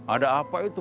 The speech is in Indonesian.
ada apa itu